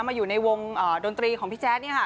มาอยู่ในวงดนตรีของพี่แจ๊ดนี่ค่ะ